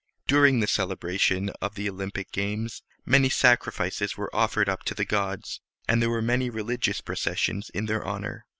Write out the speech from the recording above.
During the celebration of the Olympic games many sacrifices were offered up to the gods, and there were many religious processions in their honor.